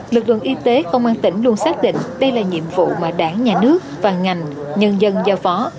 lực lượng y tế công an tỉnh luôn xác định đây là nhiệm vụ mà đảng nhà nước và ngành nhân dân giao phó